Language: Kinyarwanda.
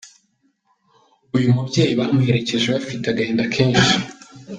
Uyu mubyeyi bamuherekeje bafite agahinda kenshi.